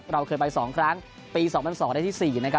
เราเคยไปสองครั้งปี๒๐๐๒ได้ที่๔